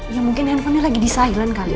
ya mungkin handphonenya lagi di silent kali ya